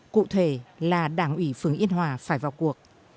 cụ thể là đảng ủy phường yên hòa phải vào cuộc